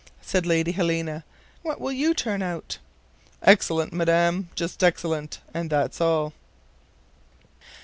said Lady Helena. "What will you turn out?" "Excellent, Madam, just excellent, and that's all."